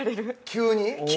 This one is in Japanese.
◆急に。